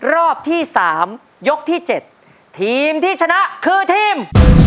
รอบที่๓ยกที่๗ทีมที่ชนะคือทีม